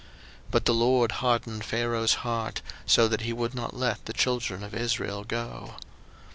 02:010:020 But the LORD hardened Pharaoh's heart, so that he would not let the children of Israel go.